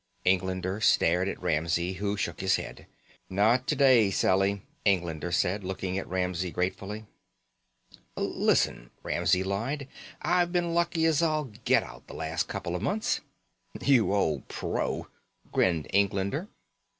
Englander stared at Ramsey, who shook his head. "Not today, Sally," Englander said, looking at Ramsey gratefully. "Listen," Ramsey lied, "I've been lucky as all get out the last couple of months." "You old pro!" grinned Englander.